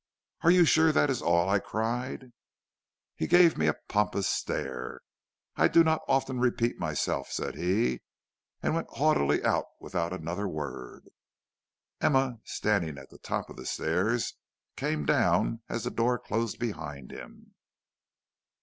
"'Are you sure that is all?' I cried. "He gave me a pompous stare. 'I do not often repeat myself,' said he, and went haughtily out without another word. "Emma, standing at the top of the stairs, came down as the door closed behind him.